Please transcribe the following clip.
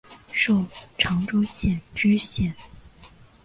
授长洲县知县。